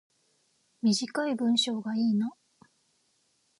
短い文章がいいな